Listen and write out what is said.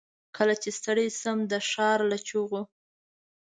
کله چې ستړی شم، دښارله چیغو